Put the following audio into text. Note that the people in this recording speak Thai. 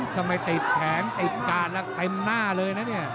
ทำไมติดแขนติดกาดแล้วเต็มหน้าเลยนะเนี่ย